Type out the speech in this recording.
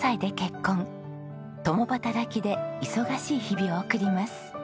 共働きで忙しい日々を送ります。